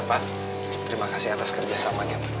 pak terima kasih atas kerja samanya